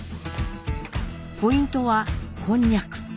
ポイントはこんにゃく。